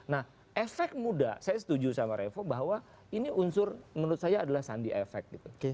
nah efek muda saya setuju sama revo bahwa ini unsur menurut saya adalah sandi efek gitu